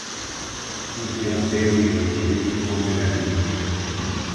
nchi ya peru ilishiriki kombe la dunia